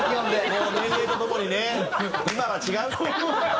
もう年齢とともにね今は違うって。